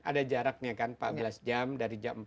ada jaraknya kan empat belas jam dari jam empat sampai jam enam